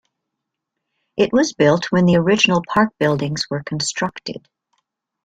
It was built when the original park buildings were constructed.